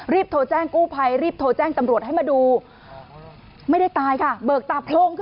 รีบโทรแจ้งกู้ภัยรีบโทรแจ้งตำรวจให้มาดูไม่ได้ตายค่ะ